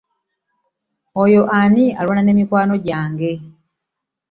Oyo ani alwana ne mikwano gwange?